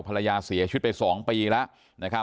ภรรยาเสียชุดไปสองปีแล้ว